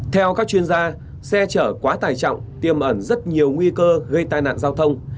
theo các chuyên gia xe chở quá tài trọng tiêm ẩn rất nhiều nguy cơ gây tai nạn giao thông